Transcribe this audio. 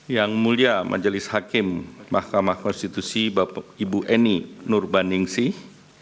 yang mulia majelis hakim mahkamah konstitusi ibu eni nur baningsih